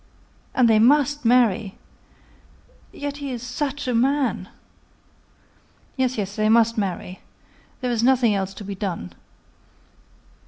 "And they must marry! Yet he is such a man." "Yes, yes, they must marry. There is nothing else to be done.